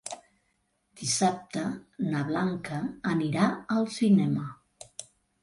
Dissabte na Blanca anirà al cinema.